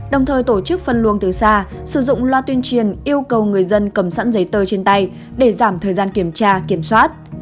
đồng thời tổ chức phân luồng từ xa sử dụng loa tuyên truyền yêu cầu người dân cầm sẵn giấy tờ trên tay để giảm thời gian kiểm tra kiểm soát